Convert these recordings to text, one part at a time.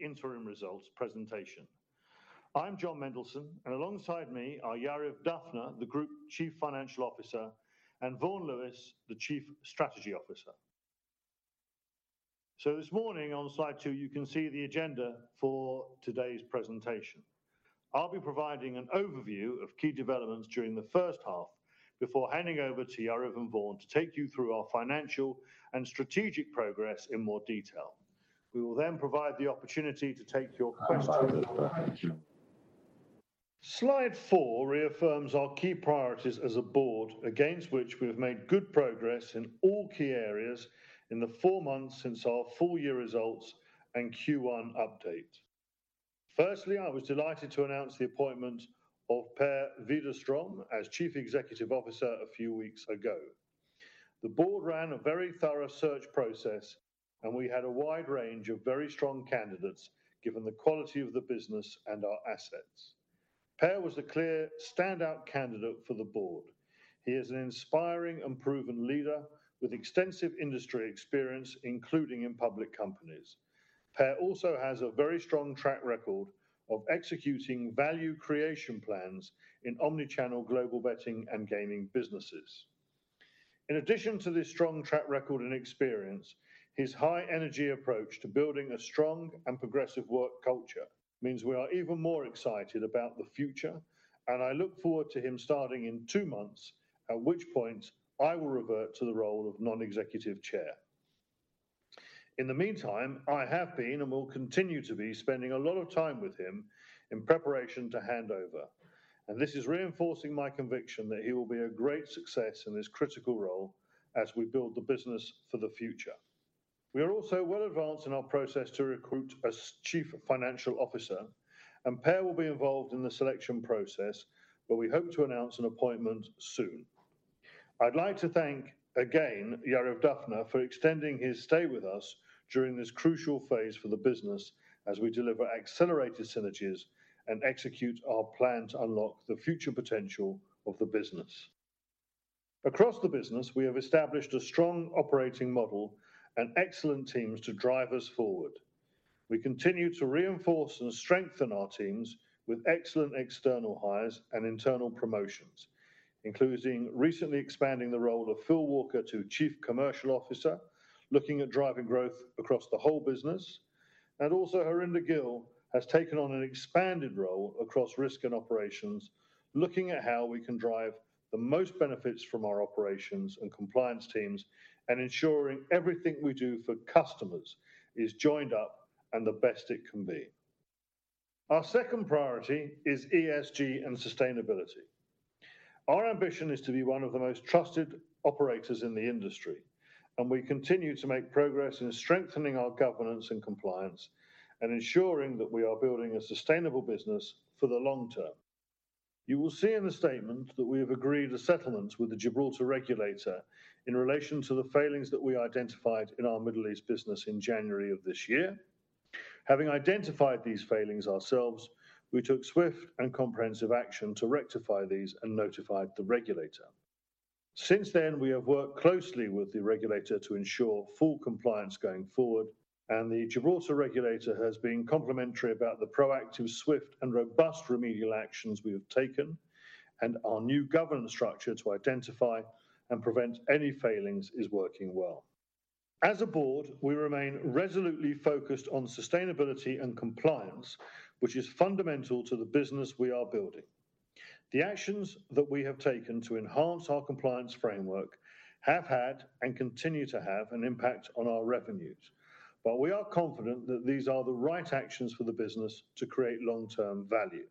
Interim results presentation. I'm Jon Mendelsohn, and alongside me are Yariv Dafna, the Group Chief Financial Officer, and Vaughan Lewis, the Chief Strategy Officer. This morning on slide 2, you can see the agenda for today's presentation. I'll be providing an overview of key developments during the first half before handing over to Yariv and Vaughan to take you through our financial and strategic progress in more detail. We will then provide the opportunity to take your questions. Slide 4 reaffirms our key priorities as a board, against which we have made good progress in all key areas in the four months since our full-year results and Q1 update. Firstly, I was delighted to announce the appointment of Per Widerström as Chief Executive Officer a few weeks ago. In the meantime, I have been, and will continue to be, spending a lot of time with him in preparation to hand over, and this is reinforcing my conviction that he will be a great success in this critical role as we build the business for the future. We are also well advanced in our process to recruit a Chief Financial Officer, and Per will be involved in the selection process, but we hope to announce an appointment soon. I'd like to thank again Yariv Dafna for extending his stay with us during this crucial phase for the business as we deliver accelerated synergies and execute our plan to unlock the future potential of the business. Across the business, we have established a strong operating model and excellent teams to drive us forward. We continue to reinforce and strengthen our teams with excellent external hires and internal promotions, including recently expanding the role of Phil Walker to Chief Commercial Officer, looking at driving growth across the whole business. Harinder Gill has taken on an expanded role across risk and operations, looking at how we can drive the most benefits from our operations and compliance teams and ensuring everything we do for customers is joined up and the best it can be. Our second priority is ESG and sustainability. Our ambition is to be one of the most trusted operators in the industry. We continue to make progress in strengthening our governance and compliance and ensuring that we are building a sustainable business for the long term. You will see in the statement that we have agreed a settlement with the Gibraltar regulator in relation to the failings that we identified in our Middle East business in January of this year. Having identified these failings ourselves, we took swift and comprehensive action to rectify these and notified the regulator. The Gibraltar regulator has been complimentary about the proactive, swift and robust remedial actions we have taken, and our new governance structure to identify and prevent any failings is working well. As a board, we remain resolutely focused on sustainability and compliance, which is fundamental to the business we are building. The actions that we have taken to enhance our compliance framework have had and continue to have an impact on our revenues. We are confident that these are the right actions for the business to create long-term value.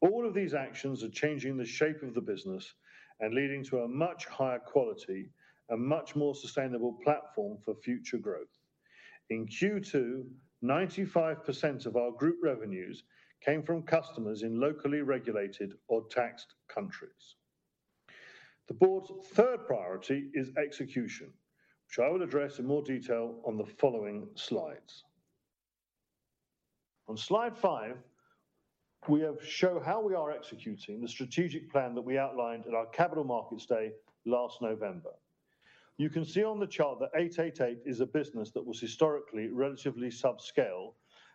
All of these actions are changing the shape of the business and leading to a much higher quality and much more sustainable platform for future growth. In Q2, 95% of our group revenues came from customers in locally regulated or taxed countries. The board's third priority is execution, which I will address in more detail on the following slides. On slide 5, we have show how we are executing the strategic plan that we outlined at our Capital Markets Day last November. You can see on the chart that 888 is a business that was historically relatively subscale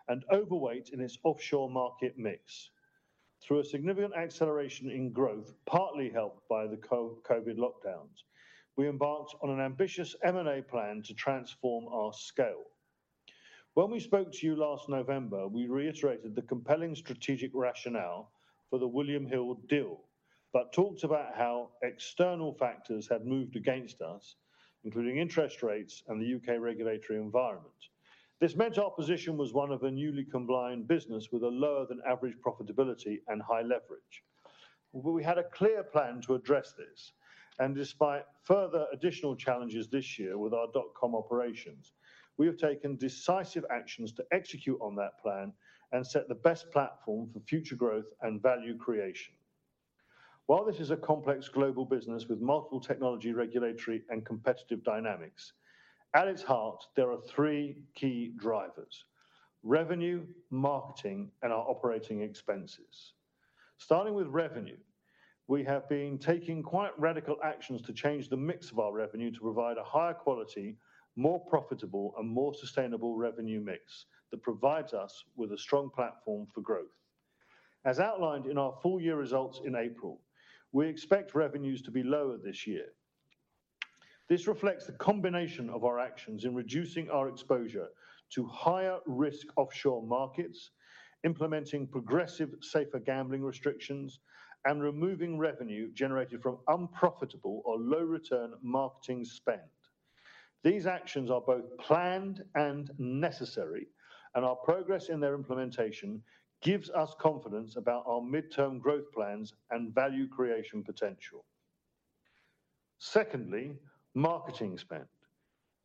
and overweight in its offshore market mix. Through a significant acceleration in growth, partly helped by the COVID lockdowns, we embarked on an ambitious M&A plan to transform our scale. When we spoke to you last November, we reiterated the compelling strategic rationale for the William Hill deal but talked about how external factors had moved against us, including interest rates and the U.K. regulatory environment. This meant our position was one of a newly compliant business with a lower-than-average profitability and high leverage. we had a clear plan to address this, and despite further additional challenges this year with our dot-com operations, we have taken decisive actions to execute on that plan and set the best platform for future growth and value creation. While this is a complex global business with multiple technology, regulatory, and competitive dynamics, at its heart, there are three key drivers: revenue, marketing, and our operating expenses. Starting with revenue, we have been taking quite radical actions to change the mix of our revenue to provide a higher quality, more profitable, and more sustainable revenue mix that provides us with a strong platform for growth. As outlined in our full-year results in April, we expect revenues to be lower this year. This reflects the combination of our actions in reducing our exposure to higher-risk offshore markets, implementing progressive, safer gambling restrictions, and removing revenue generated from unprofitable or low-return marketing spend. These actions are both planned and necessary, and our progress in their implementation gives us confidence about our mid-term growth plans and value creation potential. Secondly, marketing spend.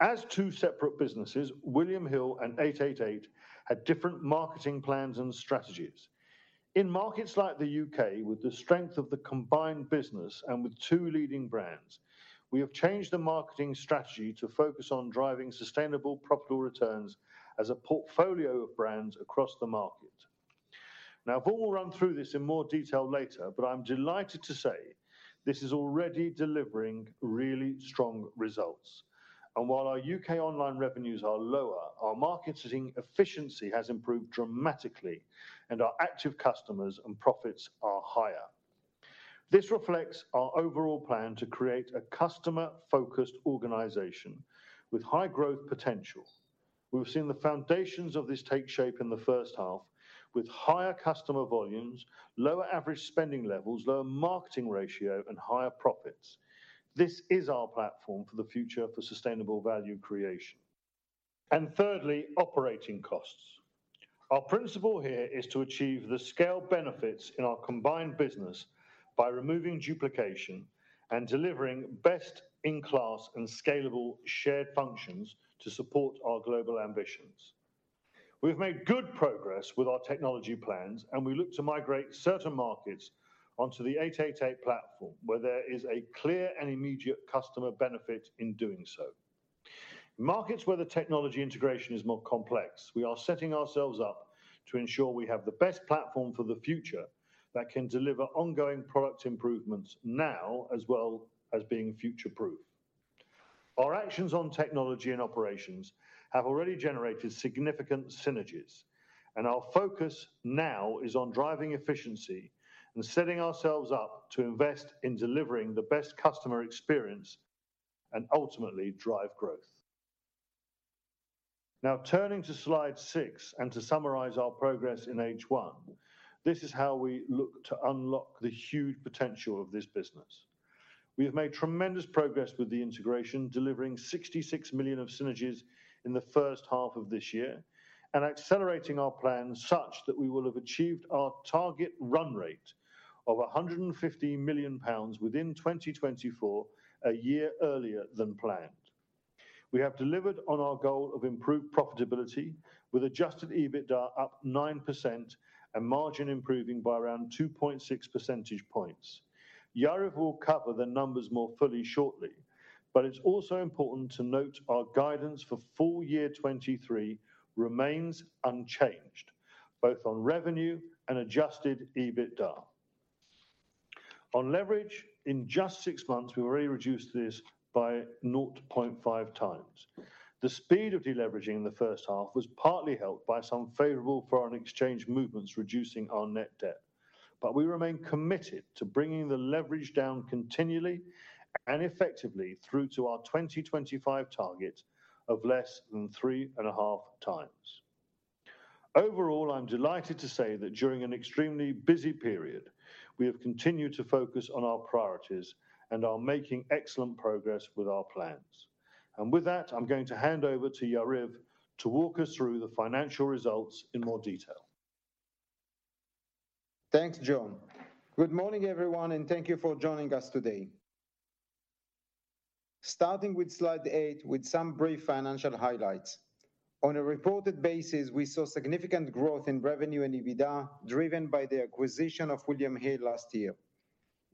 As two separate businesses, William Hill and 888 had different marketing plans and strategies. In markets like the U.K., with the strength of the combined business and with two leading brands, we have changed the marketing strategy to focus on driving sustainable, profitable returns as a portfolio of brands across the market. Now, Paul will run through this in more detail later, but I'm delighted to say this is already delivering really strong results. While our U.K. online revenues are lower, our marketing efficiency has improved dramatically, and our active customers and profits are higher. This reflects our overall plan to create a customer-focused organization with high growth potential. We've seen the foundations of this take shape in the first half, with higher customer volumes, lower average spending levels, lower marketing ratio, and higher profits. This is our platform for the future for sustainable value creation. Thirdly, operating costs. Our principle here is to achieve the scale benefits in our combined business by removing duplication and delivering best-in-class and scalable shared functions to support our global ambitions. We've made good progress with our technology plans. We look to migrate certain markets onto the 888 platform, where there is a clear and immediate customer benefit in doing so. In markets where the technology integration is more complex, we are setting ourselves up to ensure we have the best platform for the future that can deliver ongoing product improvements now, as well as being future-proof. Our actions on technology and operations have already generated significant synergies. Our focus now is on driving efficiency and setting ourselves up to invest in delivering the best customer experience and ultimately drive growth. Turning to slide 6, and to summarize our progress in H1, this is how we look to unlock the huge potential of this business. We have made tremendous progress with the integration, delivering 66 million of synergies in the first half of this year and accelerating our plans such that we will have achieved our target run rate of 150 million pounds within 2024, a year earlier than planned. We have delivered on our goal of improved profitability, with adjusted EBITDA up 9% and margin improving by around 2.6 percentage points. Yariv will cover the numbers more fully shortly, it's also important to note our guidance for full year 2023 remains unchanged, both on revenue and adjusted EBITDA. On leverage, in just six months, we've already reduced this by 0.5x. The speed of deleveraging in the first half was partly helped by some favorable foreign exchange movements, reducing our net debt. We remain committed to bringing the leverage down continually and effectively through to our 2025 target of less than 3.5x. Overall, I'm delighted to say that during an extremely busy period, we have continued to focus on our priorities and are making excellent progress with our plans. With that, I'm going to hand over to Yariv to walk us through the financial results in more detail. Thanks, Jon. Good morning, everyone, and thank you for joining us today. Starting with slide 8, with some brief financial highlights. On a reported basis, we saw significant growth in revenue and EBITDA, driven by the acquisition of William Hill last year.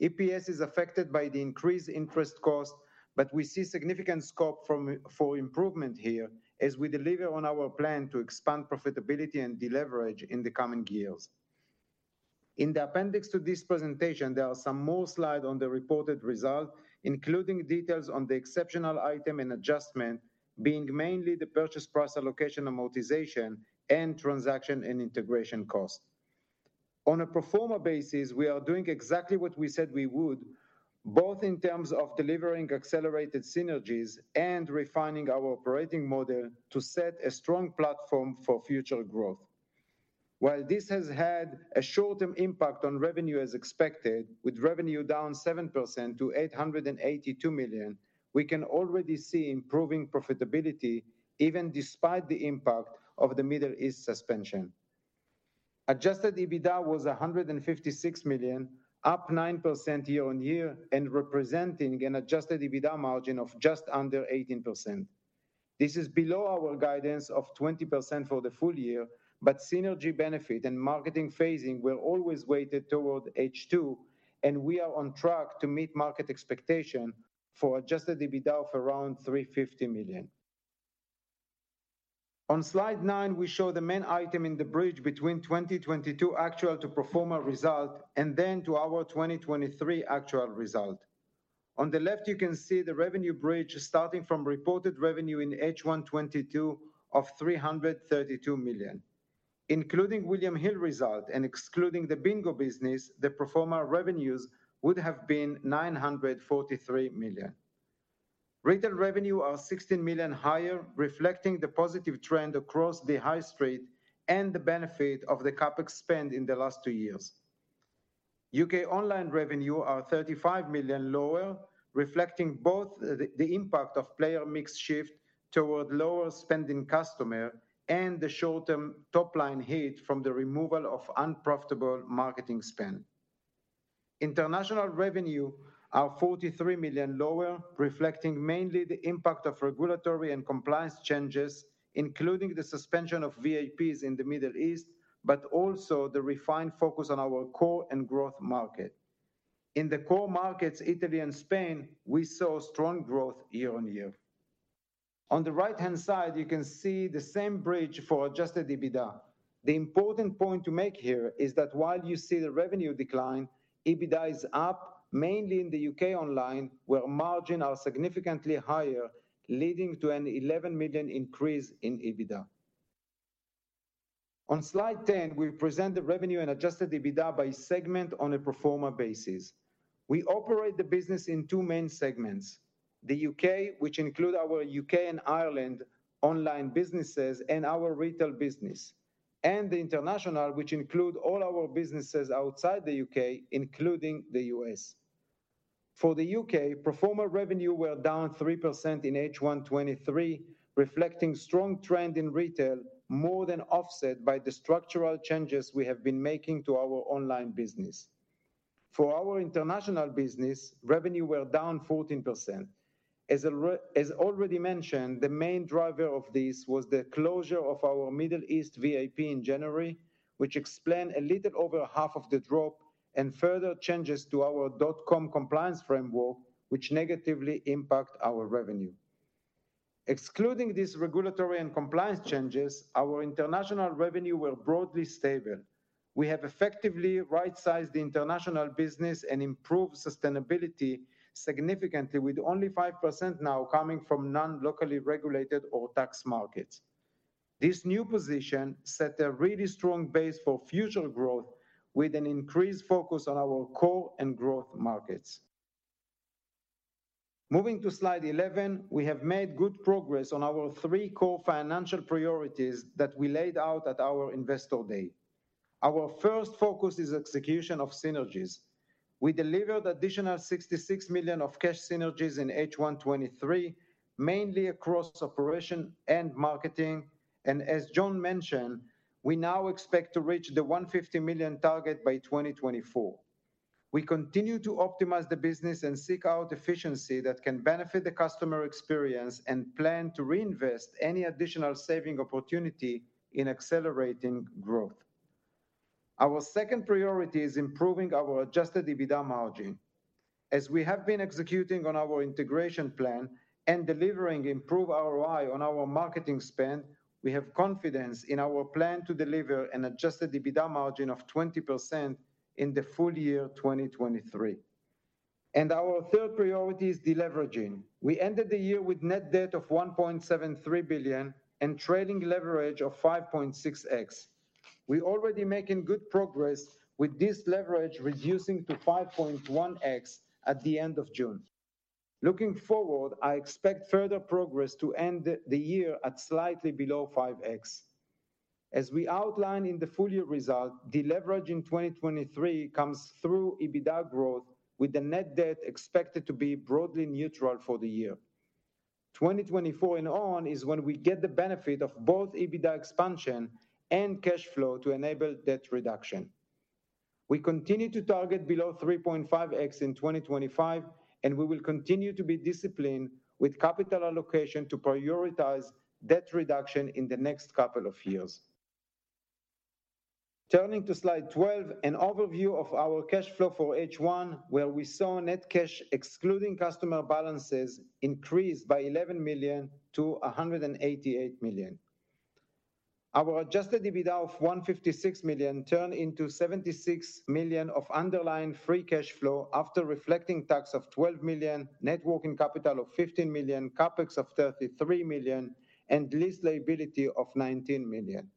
EPS is affected by the increased interest cost. We see significant scope for improvement here as we deliver on our plan to expand profitability and deleverage in the coming years. In the appendix to this presentation, there are some more slide on the reported result, including details on the exceptional item and adjustment, being mainly the purchase price allocation, amortization, and transaction and integration cost. On a pro forma basis, we are doing exactly what we said we would, both in terms of delivering accelerated synergies and refining our operating model to set a strong platform for future growth. While this has had a short-term impact on revenue as expected, with revenue down 7% to 882 million, we can already see improving profitability even despite the impact of the Middle East suspension. Adjusted EBITDA was 156 million, up 9% year-over-year, and representing an Adjusted EBITDA margin of just under 18%. This is below our guidance of 20% for the full year. Synergy benefit and marketing phasing will always weighted toward H2. We are on track to meet market expectation for Adjusted EBITDA of around 350 million. On slide 9, we show the main item in the bridge between 2022 actual to pro forma result and then to our 2023 actual result. On the left, you can see the revenue bridge starting from reported revenue in H1 2022 of 332 million. Including William Hill result and excluding the bingo business, the pro forma revenues would have been 943 million. Retail revenue are 16 million higher, reflecting the positive trend across the high street and the benefit of the CapEx spend in the last two years. U.K. online revenue are 35 million lower, reflecting both the impact of player mix shift toward lower-spending customer and the short-term top-line hit from the removal of unprofitable marketing spend. International revenue are 43 million lower, reflecting mainly the impact of regulatory and compliance changes, including the suspension of VIPs in the Middle East, but also the refined focus on our core and growth market. In the core markets, Italy and Spain, we saw strong growth year-on-year. On the right-hand side, you can see the same bridge for adjusted EBITDA. The important point to make here is that while you see the revenue decline, EBITDA is up, mainly in the U.K. online, where margin are significantly higher, leading to a 11 million increase in EBITDA. On slide 10, we present the revenue and adjusted EBITDA by segment on a pro forma basis. We operate the business in two main segments: the U.K., which include our U.K. and Ireland online businesses and our retail business, and the international, which include all our businesses outside the U.K., including the U.S. For the U.K., pro forma revenue were down 3% in H1 2023, reflecting strong trend in retail, more than offset by the structural changes we have been making to our online business. For our international business, revenue were down 14%. As already mentioned, the main driver of this was the closure of our Middle East VIP in January, which explain a little over half of the drop and further changes to our dot-com compliance framework, which negatively impact our revenue. Excluding these regulatory and compliance changes, our international revenue were broadly stable. We have effectively right-sized the international business and improved sustainability significantly, with only 5% now coming from non-locally regulated or taxed markets. This new position set a really strong base for future growth, with an increased focus on our core and growth markets. Moving to slide 11, we have made good progress on our three core financial priorities that we laid out at our Investor Day. Our first focus is execution of synergies. We delivered additional 66 million of cash synergies in H1 2023, mainly across operation and marketing. As Jon mentioned, we now expect to reach the 150 million target by 2024. We continue to optimize the business and seek out efficiency that can benefit the customer experience and plan to reinvest any additional saving opportunity in accelerating growth. Our second priority is improving our adjusted EBITDA margin. As we have been executing on our integration plan and delivering improved ROI on our marketing spend, we have confidence in our plan to deliver an adjusted EBITDA margin of 20% in the full year 2023. Our third priority is deleveraging. We ended the year with net debt of 1.73 billion and trailing leverage of 5.6x. We already making good progress with this leverage, reducing to 5.1x at the end of June. Looking forward, I expect further progress to end the year at slightly below 5x. As we outlined in the full-year result, deleverage in 2023 comes through EBITDA growth, with the net debt expected to be broadly neutral for the year. 2024 and on is when we get the benefit of both EBITDA expansion and cash flow to enable debt reduction. We continue to target below 3.5x in 2025. We will continue to be disciplined with capital allocation to prioritize debt reduction in the next couple of years. Turning to slide 12, an overview of our cash flow for H1, where we saw net cash, excluding customer balances, increase by 11 million to 188 million. Our adjusted EBITDA of 156 million turned into 76 million of underlying free cash flow after reflecting tax of 12 million, net working capital of 15 million, CapEx of 33 million, and lease liability of 19 million.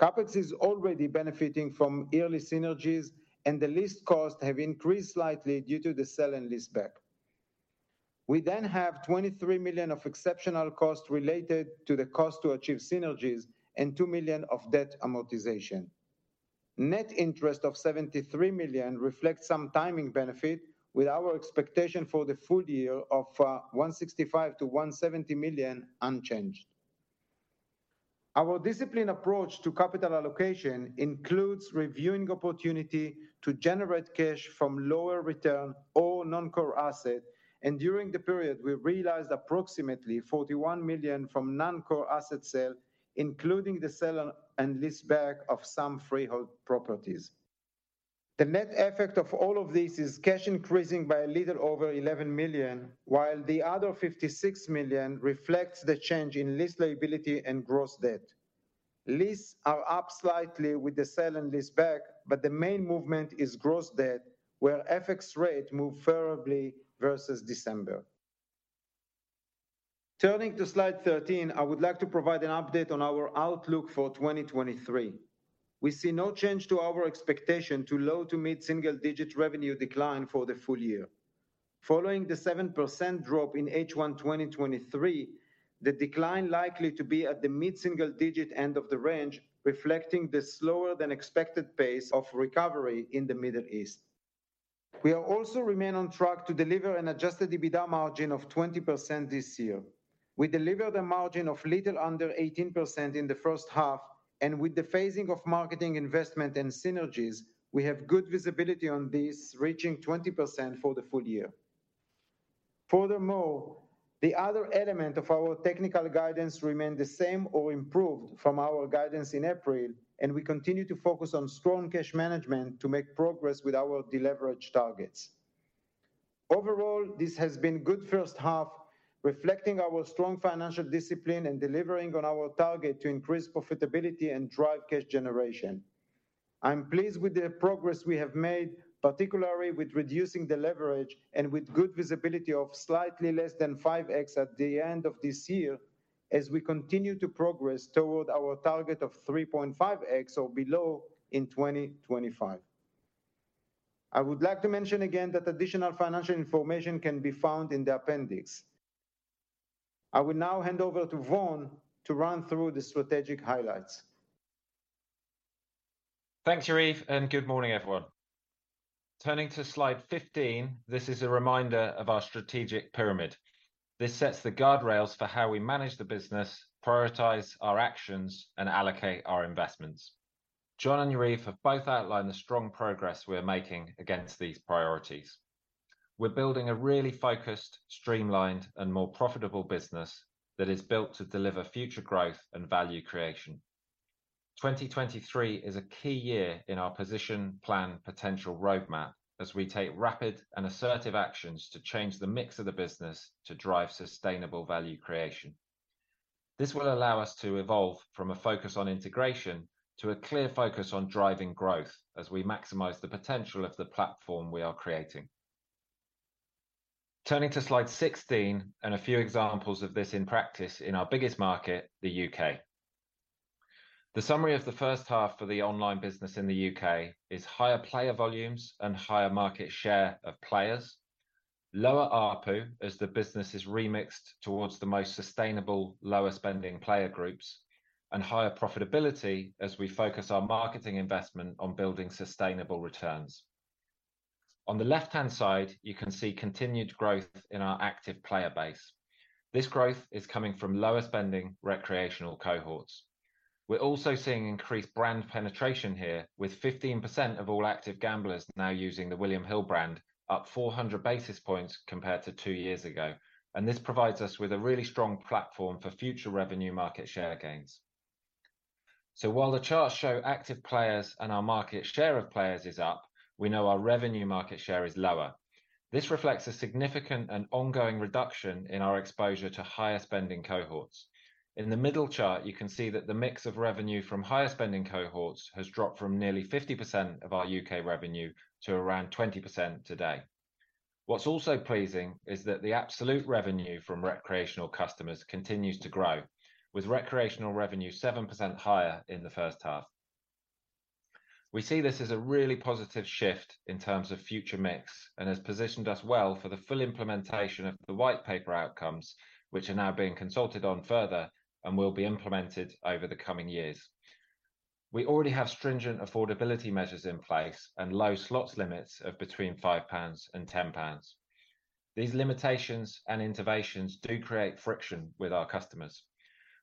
CapEx is already benefiting from early synergies, and the lease costs have increased slightly due to the sale and leaseback. We then have 23 million of exceptional costs related to the cost to achieve synergies and 2 million of debt amortization. Net interest of 73 million reflects some timing benefit with our expectation for the full year of 165 million-170 million unchanged. Our disciplined approach to capital allocation includes reviewing opportunity to generate cash from lower return or non-core asset, and during the period, we realized approximately 41 million from non-core asset sale, including the sale and leaseback of some freehold properties. The net effect of all of this is cash increasing by a little over 11 million, while the other 56 million reflects the change in lease liability and gross debt. Leases are up slightly with the sale and leaseback, but the main movement is gross debt, where FX rate moved favorably versus December. Turning to slide 13, I would like to provide an update on our outlook for 2023. We see no change to our expectation to low to mid single-digit revenue decline for the full year. Following the 7% drop in H1, 2023, the decline likely to be at the mid single-digit end of the range, reflecting the slower than expected pace of recovery in the Middle East. We are also remain on track to deliver an adjusted EBITDA margin of 20% this year. We delivered a margin of little under 18% in the first half, and with the phasing of marketing investment and synergies, we have good visibility on this, reaching 20% for the full year. Furthermore, the other element of our technical guidance remained the same or improved from our guidance in April, and we continue to focus on strong cash management to make progress with our deleverage targets. Overall, this has been good first half, reflecting our strong financial discipline and delivering on our target to increase profitability and drive cash generation. I'm pleased with the progress we have made, particularly with reducing the leverage and with good visibility of slightly less than 5x at the end of this year, as we continue to progress toward our target of 3.5x or below in 2025. I would like to mention again that additional financial information can be found in the appendix. I will now hand over to Vaughan to run through the strategic highlights. Thanks, Yariv. Good morning, everyone. Turning to slide 15, this is a reminder of our strategic pyramid. This sets the guardrails for how we manage the business, prioritize our actions, and allocate our investments. Jon and Yariv have both outlined the strong progress we are making against these priorities. We're building a really focused, streamlined, and more profitable business that is built to deliver future growth and value creation. 2023 is a key year in our position plan potential roadmap as we take rapid and assertive actions to change the mix of the business to drive sustainable value creation. This will allow us to evolve from a focus on integration to a clear focus on driving growth as we maximize the potential of the platform we are creating. Turning to slide 16, a few examples of this in practice in our biggest market, the U.K. The summary of the first half for the online business in the U.K. is higher player volumes and higher market share of players, lower ARPU as the business is remixed towards the most sustainable, lower-spending player groups, and higher profitability as we focus our marketing investment on building sustainable returns. On the left-hand side, you can see continued growth in our active player base. This growth is coming from lower-spending recreational cohorts. We're also seeing increased brand penetration here, with 15% of all active gamblers now using the William Hill brand, up 400 basis points compared to two years ago, and this provides us with a really strong platform for future revenue market share gains. While the charts show active players and our market share of players is up, we know our revenue market share is lower. This reflects a significant and ongoing reduction in our exposure to higher-spending cohorts. In the middle chart, you can see that the mix of revenue from higher-spending cohorts has dropped from nearly 50% of our U.K. revenue to around 20% today. What's also pleasing is that the absolute revenue from recreational customers continues to grow, with recreational revenue 7% higher in the first half. We see this as a really positive shift in terms of future mix and has positioned us well for the full implementation of the White Paper outcomes, which are now being consulted on further and will be implemented over the coming years. We already have stringent affordability measures in place and low slots limits of between 5 pounds and 10 pounds. These limitations and interventions do create friction with our customers.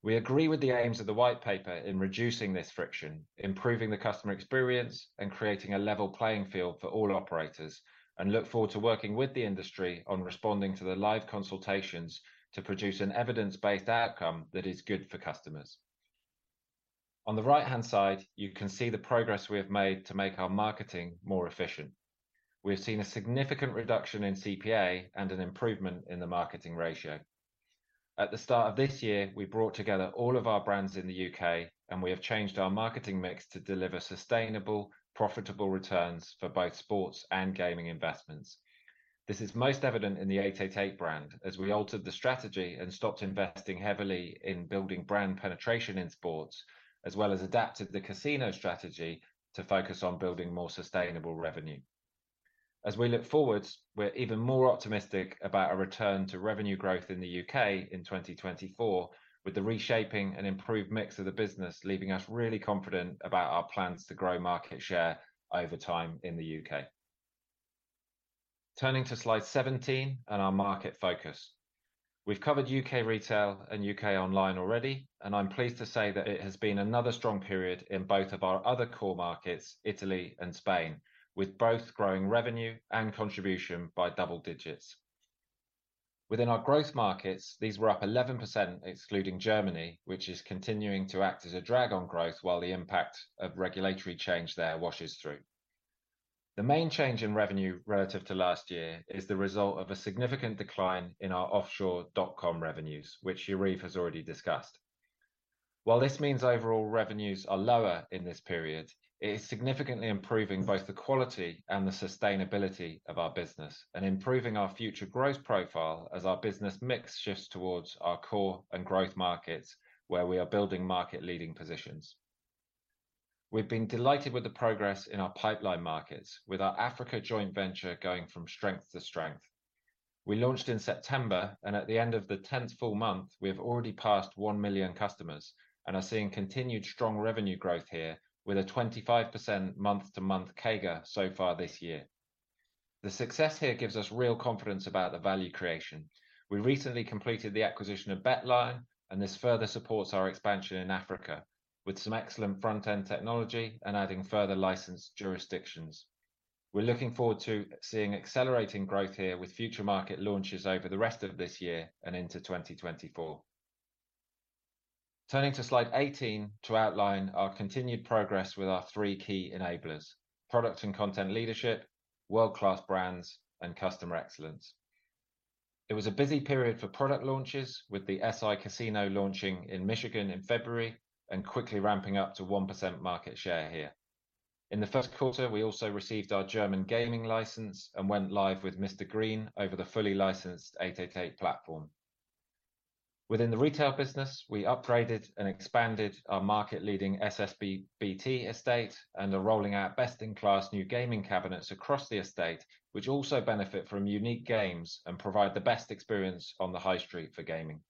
We agree with the aims of the White Paper in reducing this friction, improving the customer experience, and creating a level playing field for all operators, and look forward to working with the industry on responding to the live consultations to produce an evidence-based outcome that is good for customers. On the right-hand side, you can see the progress we have made to make our marketing more efficient. We have seen a significant reduction in CPA and an improvement in the marketing ratio. At the start of this year, we brought together all of our brands in the U.K., and we have changed our marketing mix to deliver sustainable, profitable returns for both sports and gaming investments. This is most evident in the 888 brand, as we altered the strategy and stopped investing heavily in building brand penetration in sports, as well as adapted the casino strategy to focus on building more sustainable revenue. We look forwards, we're even more optimistic about a return to revenue growth in the U.K. in 2024, with the reshaping and improved mix of the business leaving us really confident about our plans to grow market share over time in the U.K. Turning to slide 17 and our market focus. We've covered U.K. retail and U.K. online already, and I'm pleased to say that it has been another strong period in both of our other core markets, Italy and Spain, with both growing revenue and contribution by double digits. Within our growth markets, these were up 11%, excluding Germany, which is continuing to act as a drag on growth while the impact of regulatory change there washes through. The main change in revenue relative to last year is the result of a significant decline in our offshore dot-com revenues, which Yariv has already discussed. While this means overall revenues are lower in this period, it is significantly improving both the quality and the sustainability of our business, and improving our future growth profile as our business mix shifts towards our core and growth markets, where we are building market-leading positions. We've been delighted with the progress in our pipeline markets, with our Africa joint venture going from strength to strength. We launched in September, and at the end of the 10th full month, we have already passed 1 million customers and are seeing continued strong revenue growth here, with a 25% month-to-month CAGR so far this year. The success here gives us real confidence about the value creation. We recently completed the acquisition of BetLion, and this further supports our expansion in Africa, with some excellent front-end technology and adding further licensed jurisdictions. We're looking forward to seeing accelerating growth here with future market launches over the rest of this year and into 2024. Turning to slide 18 to outline our continued progress with our three key enablers: product and content leadership, world-class brands, and customer excellence. It was a busy period for product launches, with the SI Casino launching in Michigan in February and quickly ramping up to 1% market share here. In the Q1, we also received our German gaming license and went live with Mr Green over the fully licensed 888 platform. Within the retail business, we upgraded and expanded our market-leading SSBT estate and are rolling out best-in-class new gaming cabinets across the estate, which also benefit from unique games and provide the best experience on the high street for gaming.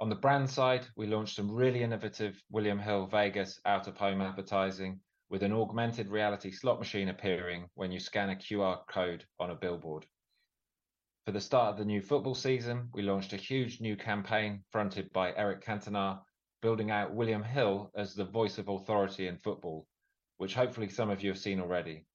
On the brand side, we launched some really innovative William Hill Vegas out-of-home advertising, with an augmented reality slot machine appearing when you scan a QR code on a billboard. For the start of the new football season, we launched a huge new campaign fronted by Éric Cantona, building out William Hill as the voice of authority in football, which hopefully some of you have seen already.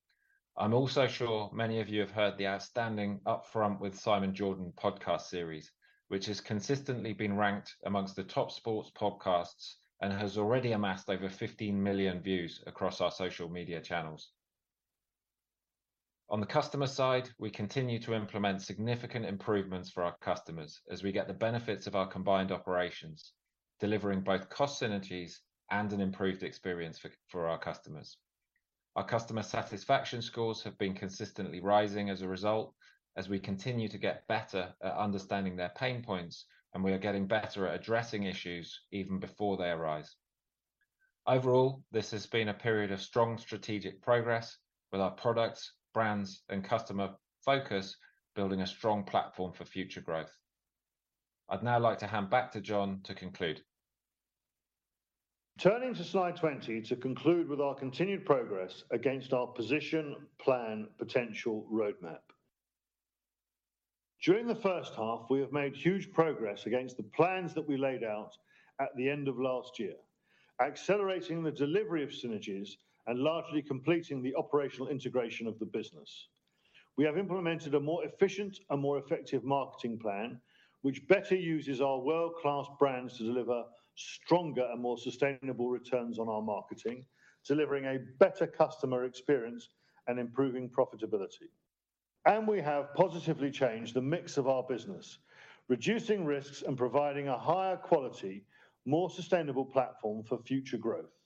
I'm also sure many of you have heard the outstanding Up Front with Simon Jordan podcast series, which has consistently been ranked amongst the top sports podcasts and has already amassed over 15 million views across our social media channels. On the customer side, we continue to implement significant improvements for our customers as we get the benefits of our combined operations, delivering both cost synergies and an improved experience for our customers. Our customer satisfaction scores have been consistently rising as a result, as we continue to get better at understanding their pain points, and we are getting better at addressing issues even before they arise. Overall, this has been a period of strong strategic progress with our products, brands, and customer focus, building a strong platform for future growth. I'd now like to hand back to Jon to conclude. Turning to slide 20, to conclude with our continued progress against our position, plan, potential roadmap. During the first half, we have made huge progress against the plans that we laid out at the end of last year, accelerating the delivery of synergies and largely completing the operational integration of the business. We have implemented a more efficient and more effective marketing plan, which better uses our world-class brands to deliver stronger and more sustainable returns on our marketing, delivering a better customer experience and improving profitability. We have positively changed the mix of our business, reducing risks and providing a higher quality, more sustainable platform for future growth.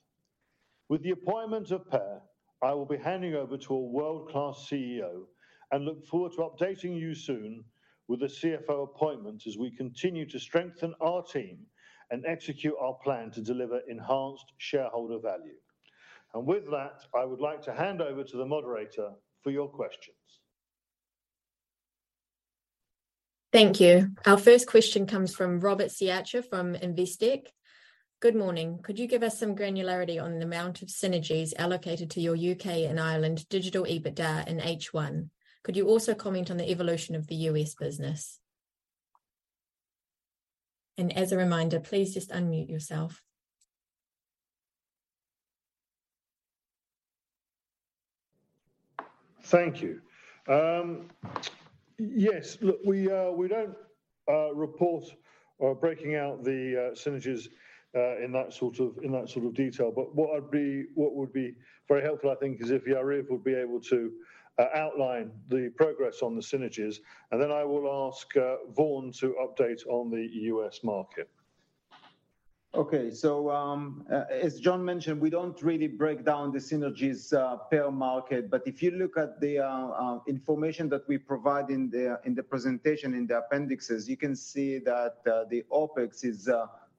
With the appointment of Per, I will be handing over to a world-class CEO and look forward to updating you soon with a CFO appointment as we continue to strengthen our team and execute our plan to deliver enhanced shareholder value. With that, I would like to hand over to the moderator for your questions. Thank you. Our first question comes from Robert Ciaccia from Investec. Good morning. Could you give us some granularity on the amount of synergies allocated to your U.K. and Ireland digital EBITDA in H1? Could you also comment on the evolution of the U.S. business? As a reminder, please just unmute yourself. Thank you. Yes, look, we don't, report or breaking out the, synergies, in that sort of, in that sort of detail, but what would be, what would be very helpful, I think, is if Yariv would be able to, outline the progress on the synergies. Then I will ask, Vaughan to update on the U.S. market. Okay. As Jon mentioned, we don't really break down the synergies per market, but if you look at the information that we provide in the presentation, in the appendixes, you can see that the OpEx is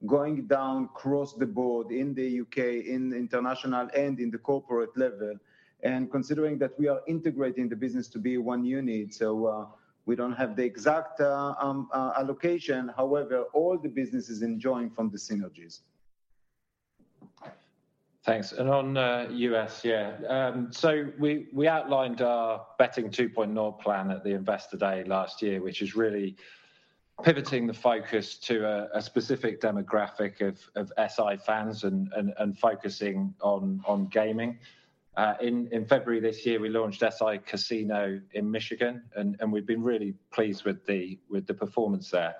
going down across the board in the U.K., in international, and in the corporate level. Considering that we are integrating the business to be one unit, so, we don't have the exact allocation, however, all the business is enjoying from the synergies. Thanks. On, U.S., yeah. We outlined our Betting 2.0 plan at the Investor Day last year, which is really pivoting the focus to a specific demographic of SI fans and focusing on gaming, in February this year, we launched SI Casino in Michigan, and we've been really pleased with the performance there.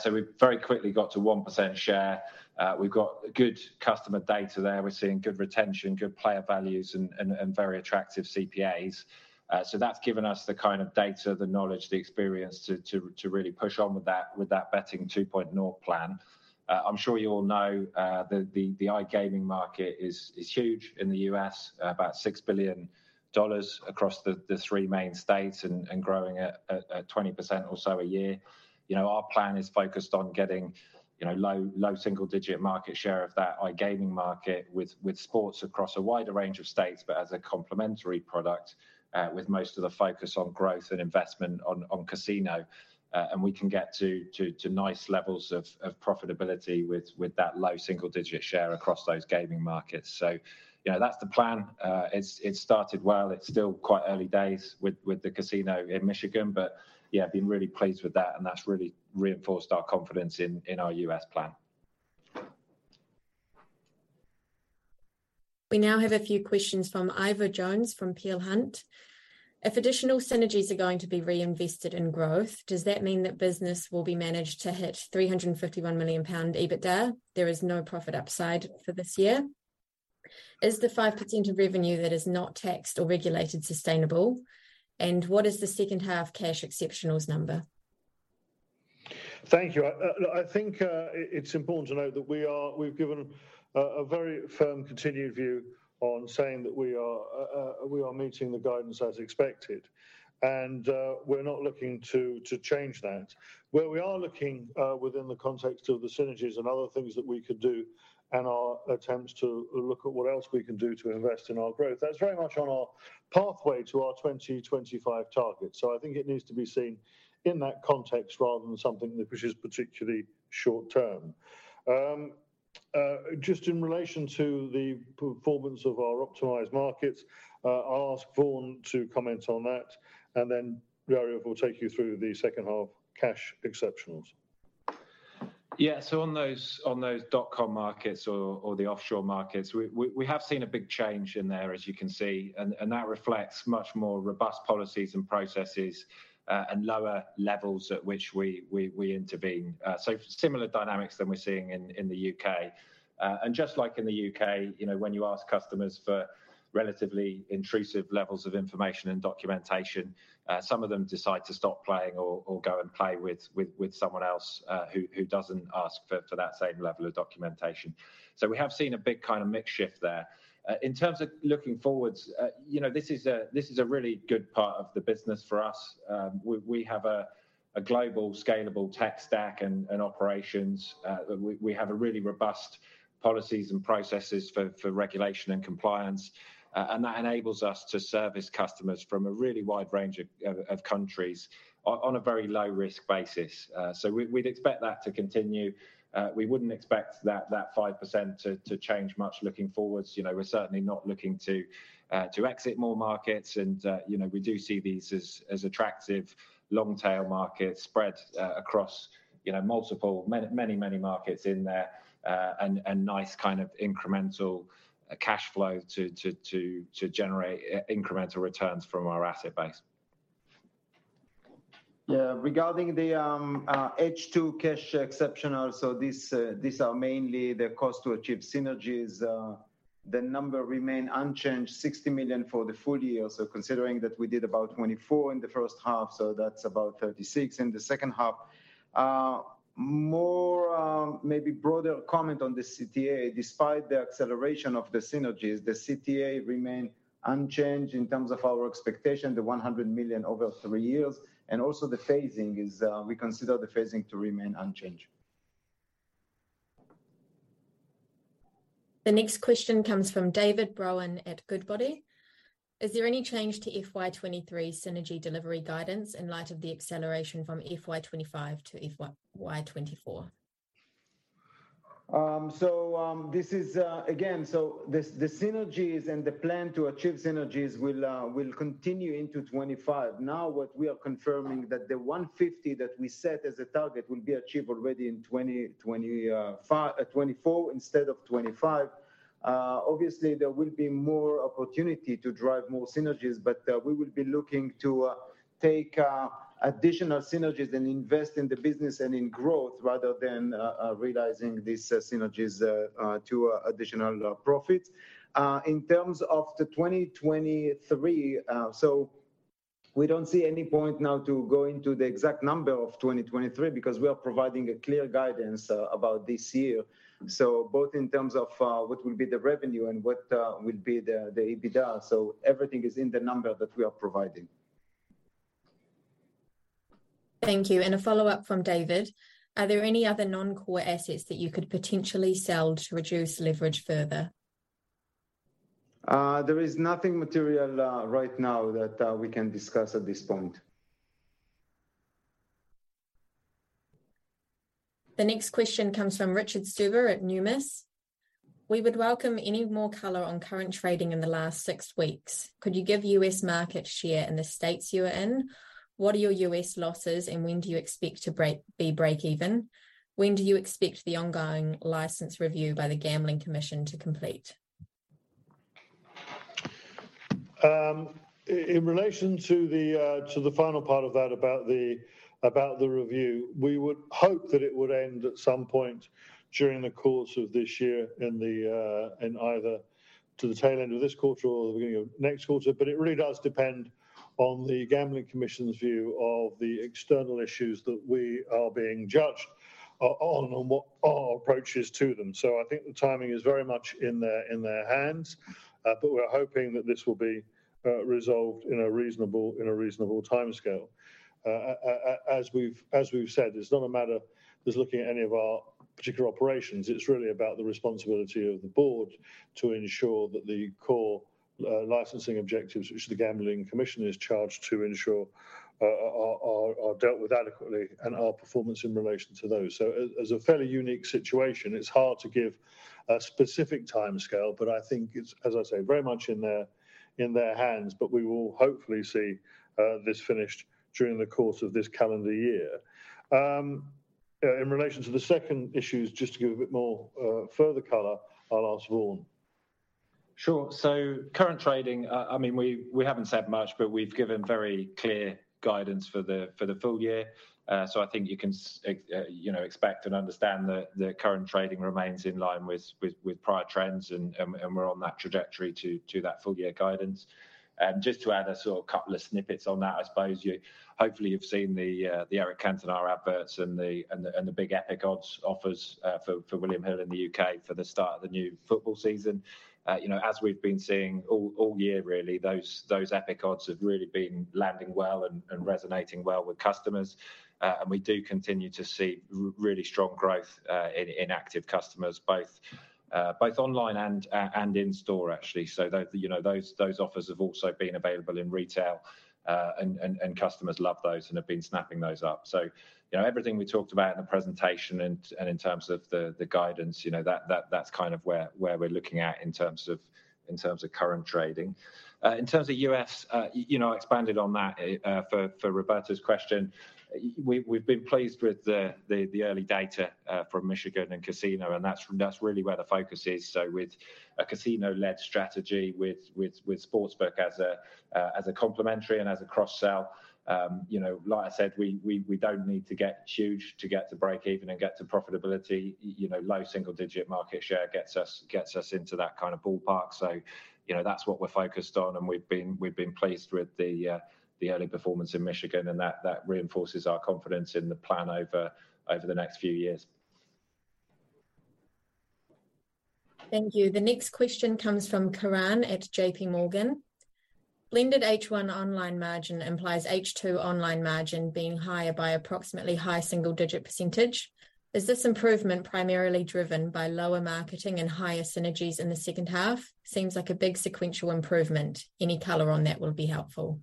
So we've very quickly got to 1% share. We've got good customer data there. We're seeing good retention, good player values, and very attractive CPAs. So that's given us the kind of data, the knowledge, the experience to really push on with that Betting 2.0 plan. I'm sure you all know, the iGaming market is huge in the US, about $6 billion across the three main states and growing at 20% or so a year. You know, our plan is focused on getting, you know, low single-digit market share of that iGaming market with, with sports across a wider range of states, but as a complementary product, with most of the focus on growth and investment on, on casino. We can get to, to, to nice levels of, of profitability with, with that low single-digit share across those gaming markets. You know, that's the plan. It's, it started well. It's still quite early days with, with the casino in Michigan, but yeah, been really pleased with that, and that's really reinforced our confidence in, in our US plan. We now have a few questions from Ivor Jones, from Peel Hunt. If additional synergies are going to be reinvested in growth, does that mean that business will be managed to hit 351 million pound EBITDA? There is no profit upside for this year. Is the 5% of revenue that is not taxed or regulated sustainable, and what is the second half cash exceptionals number? Thank you. I think it's important to note that we've given a very firm continued view on saying that we are meeting the guidance as expected, we're not looking to change that. Where we are looking within the context of the synergies and other things that we could do and our attempts to look at what else we can do to invest in our growth, that's very much on our pathway to our 2025 target. I think it needs to be seen in that context rather than something which is particularly short term. Just in relation to the performance of our optimized markets, I'll ask Vaughan to comment on that, and then Yariv will take you through the second half cash exceptionals. Yeah. On those dot-com markets or, or the offshore markets, we have seen a big change in there, as you can see, and, and that reflects much more robust policies and processes, and lower levels at which we intervene. Similar dynamics than we're seeing in, in the U.K. Just like in the U.K., you know, when you ask customers for relatively intrusive levels of information and documentation, some of them decide to stop playing or, or go and play with someone else, who, who doesn't ask for, for that same level of documentation. We have seen a big kind of mix shift there. In terms of looking forwards, you know, this is a, this is a really good part of the business for us. We have a global scalable tech stack and operations. We have a really robust policies and processes for regulation and compliance, and that enables us to service customers from a really wide range of countries on a very low-risk basis. We'd expect that to continue. We wouldn't expect that 5% to change much looking forwards. You know, we're certainly not looking to exit more markets, and, you know, we do see these as attractive long-tail markets spread across, you know, many, many markets in there, and nice kind of incremental cash flow to generate incremental returns from our asset base. Regarding the H2 cash exceptional, so these are mainly the cost to achieve synergies. The number remain unchanged, 60 million for the full year. Considering that we did about 24 in the first half, so that's about 36 in the second half. More, maybe broader comment on the CTA, despite the acceleration of the synergies, the CTA remain unchanged in terms of our expectation, the 100 million over three years, and also the phasing is, we consider the phasing to remain unchanged. The next question comes from David Brohan at Goodbody. Is there any change to FY 2023 synergy delivery guidance in light of the acceleration from FY 2025 to FY 2024? This is again, the synergies and the plan to achieve synergies will continue into 2025. What we are confirming that the 150 that we set as a target will be achieved already in 2024 instead of 2025. Obviously, there will be more opportunity to drive more synergies, but we will be looking to take additional synergies and invest in the business and in growth rather than realizing these synergies to additional profits. In terms of the 2023, we don't see any point now to go into the exact number of 2023 because we are providing a clear guidance about this year. Both in terms of what will be the revenue and what will be the EBITDA, so everything is in the number that we are providing. Thank you. A follow-up from David. Are there any other non-core assets that you could potentially sell to reduce leverage further? There is nothing material right now that we can discuss at this point. The next question comes from Richard Stuber at Numis. We would welcome any more color on current trading in the last six weeks. Could you give U.S. market share in the states you are in? What are your U.S. losses, and when do you expect to be breakeven? When do you expect the ongoing license review by the Gambling Commission to complete? In relation to the final part of that about the review, we would hope that it would end at some point during the course of this year, in either to the tail end of this quarter or the beginning of next quarter. But it really does depend on the Gambling Commission's view of the external issues that we are being judged on, and what our approach is to them. I think the timing is very much in their hands, but we're hoping that this will be resolved in a reasonable, in a reasonable timescale. As we've, as we've said, it's not a matter that's looking at any of our particular operations, it's really about the responsibility of the board to ensure that the core licensing objectives, which the Gambling Commission is charged to ensure, are dealt with adequately and our performance in relation to those. Asa fairly unique situation, it's hard to give a specific timescale, but I think it's, as I say, very much in their, in their hands. We will hopefully see this finished during the course of this calendar year. In relation to the second issues, just to give a bit more further color, I'll ask Vaughan. Sure. Current trading, I mean, we haven't said much, but we've given very clear guidance for the, for the full year. I think you can, you know, expect and understand that the current trading remains in line with prior trends, and, and, and we're on that trajectory to, to that full-year guidance. Just to add a sort of couple of snippets on that, I suppose you hopefully you've seen the Éric Cantona adverts and the, and the, and the big Epic Odds offers, for William Hill in the U.K. for the start of the new football season. You know, as we've been seeing all year really, those, those Epic Odds have really been landing well and, and resonating well with customers. We do continue to see really strong growth in active customers, both online and in store, actually. You know, those, those offers have also been available in retail, and customers love those and have been snapping those up. You know, everything we talked about in the presentation and in terms of the guidance, you know, that's kind of where, where we're looking at in terms of, in terms of current trading. In terms of U.S., you know, I expanded on that for Roberta's question. We've been pleased with the early data from Michigan and Casino, and that's, that's really where the focus is. With a casino-led strategy, with sportsbook as a, as a complementary and as a cross-sell, you know, like I said, we don't need to get huge to get to breakeven and get to profitability. You know, low single-digit market share gets us, gets us into that kind of ballpark. You know, that's what we're focused on, and we've been, we've been pleased with the early performance in Michigan, and that, that reinforces our confidence in the plan over, over the next few years. Thank you. The next question comes from Karan at JPMorgan. Blended H1 online margin implies H2 online margin being higher by approximately high single-digit %. Is this improvement primarily driven by lower marketing and higher synergies in the second half? Seems like a big sequential improvement. Any color on that would be helpful.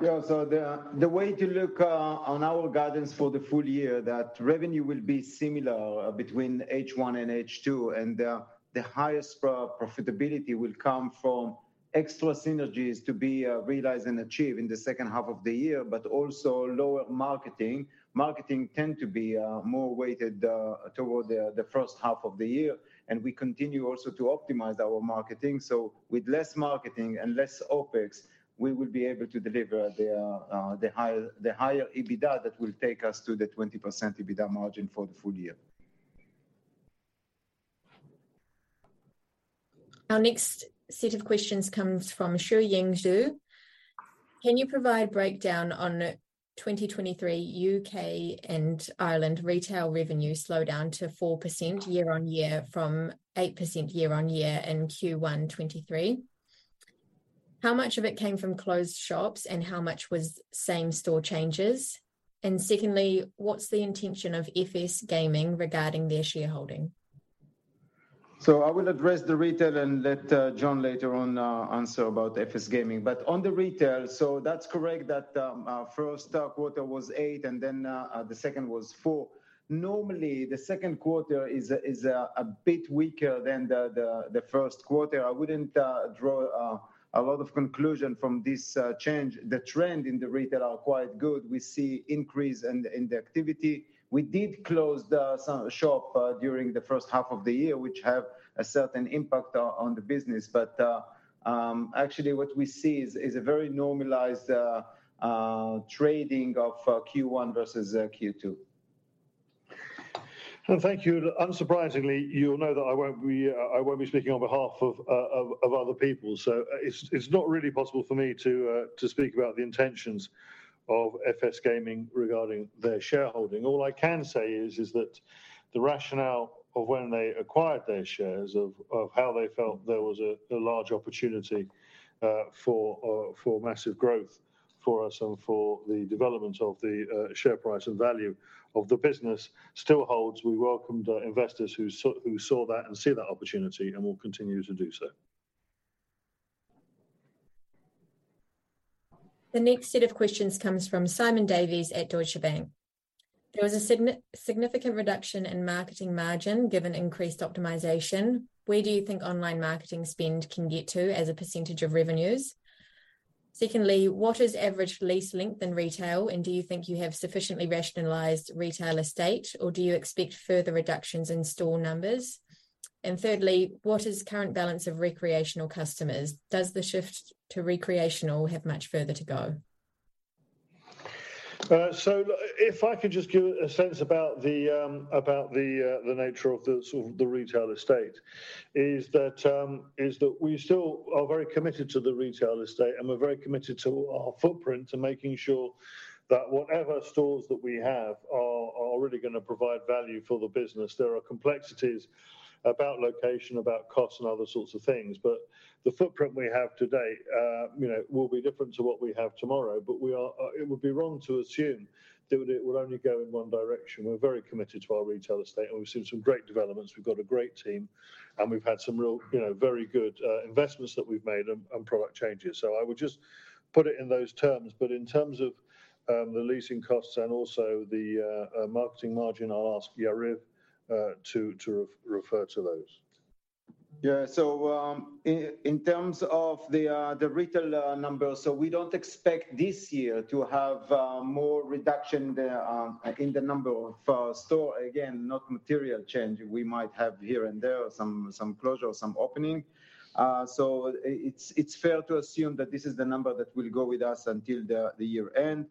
The way to look on our guidance for the full year, that revenue will be similar between H1 and H2, and the highest profitability will come from extra synergies to be realized and achieved in the second half of the year, but also lower marketing. Marketing tend to be more weighted toward the first half of the year, and we continue also to optimize our marketing. With less marketing and less OpEx, we will be able to deliver the higher EBITDA that will take us to the 20% EBITDA margin for the full year. Our next set of questions comes from Shuying Xu. Can you provide breakdown on 2023 U.K. and Ireland retail revenue slowdown to 4% year-on-year from 8% year-on-year in Q1 2023? How much of it came from closed shops, and how much was same-store changes? Secondly, what's the intention of FS Gaming regarding their shareholding? I will address the retail and let Jon later on answer about FS Gaming. On the retail, that's correct that our Q1 was 8 and then the second was 4% Normally, the Q2 is a bit weaker than the Q1. I wouldn't draw a lot of conclusion from this change. The trend in the retail are quite good. We see increase in the activity. We did close the some shop during the first half of the year, which have a certain impact on the business. Actually, what we see is a very normalized trading of Q1 versus Q2. Thank you. Unsurprisingly, you'll know that I won't be, I won't be speaking on behalf of, of other people. It's not really possible for me to speak about the intentions of FS Gaming regarding their shareholding. All I can say is that the rationale of when they acquired their shares, of how they felt there was a large opportunity for massive growth for us and for the development of the share price and value of the business still holds. We welcome the investors who saw that and see that opportunity, and we'll continue to do so. The next set of questions comes from Simon Davies at Deutsche Bank. There was a significant reduction in marketing margin given increased optimization. Where do you think online marketing spend can get to as percentage of revenues? Secondly, what is average lease length in retail, and do you think you have sufficiently rationalized retail estate, or do you expect further reductions in store numbers? Thirdly, what is current balance of recreational customers? Does the shift to recreational have much further to go? If I could just give a sense about the nature of the sort of the retail estate, is that is that we still are very committed to the retail estate, and we're very committed to our footprint and making sure that whatever stores that we have are really gonna provide value for the business. There are complexities about location, about cost, and other sorts of things. The footprint we have today, you know, will be different to what we have tomorrow. We are. It would be wrong to assume that it would only go in one direction. We're very committed to our retail estate, and we've seen some great developments. We've got a great team, and we've had some real, you know, very good investments that we've made and, and product changes. I would just put it in those terms. In terms of the leasing costs and also the marketing margin, I'll ask Yariv to refer to those. Yeah. In terms of the retail numbers, we don't expect this year to have more reduction there in the number of store. Again, not material change. We might have here and there some, some closure or some opening. It's fair to assume that this is the number that will go with us until the year end.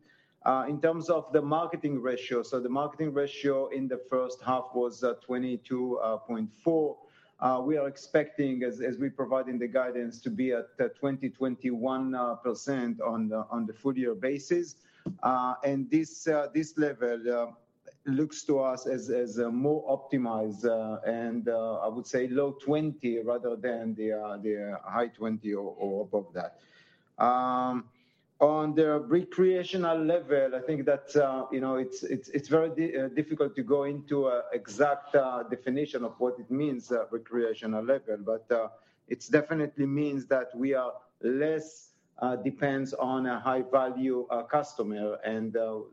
In terms of the marketing ratio, the marketing ratio in the first half was 22.4%. We are expecting, as we provide in the guidance, to be at 20%-21% on the full year basis. This level looks to us as more optimized, and I would say low 20 rather than the high 20, or above that. On the recreational level, I think that, you know, it's very difficult to go into an exact definition of what it means, recreational level. It definitely means that we are less depends on a high-value customer. Again,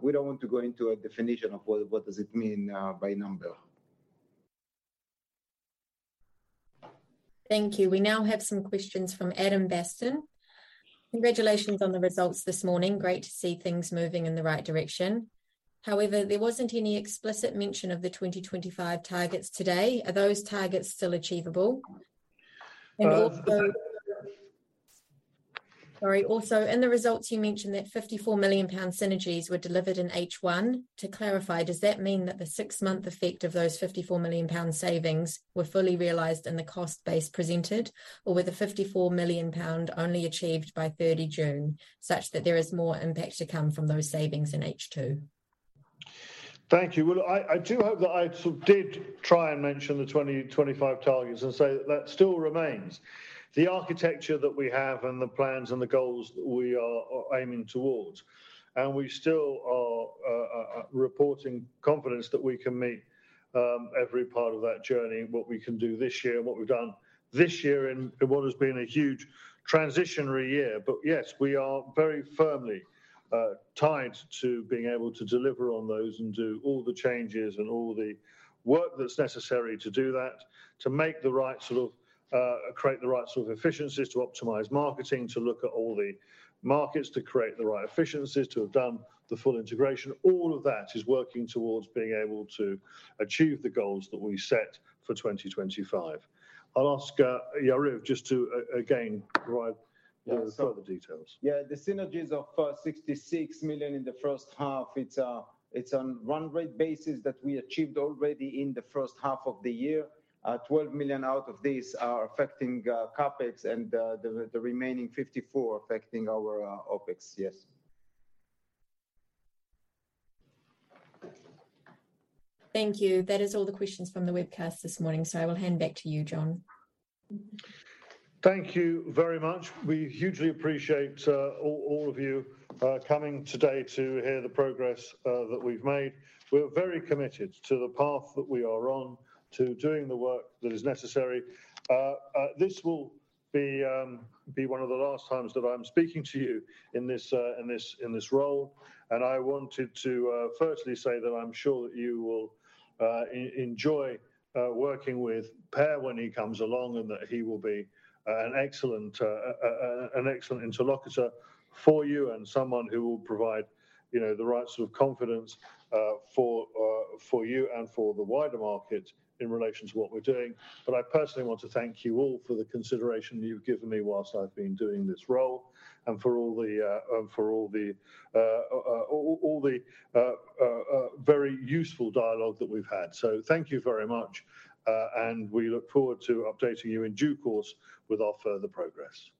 we don't want to go into a definition of what, what does it mean by number. Thank you. We now have some questions from Adam Baston. Congratulations on the results this morning. Great to see things moving in the right direction. However, there wasn't any explicit mention of the 2025 targets today. Are those targets still achievable? Uh- Also- sorry, also in the results, you mentioned that 54 million pound synergies were delivered in H1. To clarify, does that mean that the six-month effect of those 54 million pound savings were fully realized in the cost base presented, or were the 54 million pound only achieved by June 30, such that there is more impact to come from those savings in H2? Thank you. Well, I do hope that I sort of did try and mention the 2025 targets and say that that still remains. The architecture that we have and the plans and the goals we are aiming towards, and we still are, are reporting confidence that we can meet every part of that journey, what we can do this year, and what we've done this year in, in what has been a huge transitionary year. Yes, we are very firmly tied to being able to deliver on those and do all the changes and all the work that's necessary to do that, to make the right sort of, create the right sort of efficiencies, to optimize marketing, to look at all the markets, to create the right efficiencies, to have done the full integration. All of that is working towards being able to achieve the goals that we set for 2025. I'll ask, Yariv, just to, again, provide- Yeah.... further details. Yeah, the synergies of 66 million in the first half, it's on run rate basis that we achieved already in the first half of the year. 12 million out of this are affecting CapEx, and the remaining 54 million affecting our OpEx. Yes. Thank you. That is all the questions from the webcast this morning. I will hand back to you, Jon. Thank you very much. We hugely appreciate all, all of you coming today to hear the progress that we've made. We're very committed to the path that we are on, to doing the work that is necessary. This will be one of the last times that I'm speaking to you in this role, and I wanted to firstly say that I'm sure that you will enjoy working with Per when he comes along, and that he will be an excellent interlocutor for you and someone who will provide, you know, the right sort of confidence for you and for the wider market in relation to what we're doing. I personally want to thank you all for the consideration you've given me while I've been doing this role, and for all the very useful dialogue that we've had. Thank you very much, and we look forward to updating you in due course with our further progress.